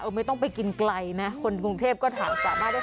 ไม่ต้องไปกินไกลนะคนกรุงเทพก็ถามสามารถได้